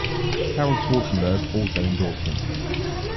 Karel Schwarzenberg also endorsed him.